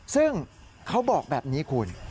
ซึ่งเขาบอกแบบนี้คุณ